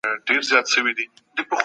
د حقایقو پلټنه د هر چا کار نه دی.